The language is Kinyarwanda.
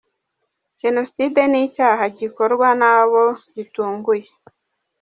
Jenoside si icyaha gikorwa n’abo gitunguye.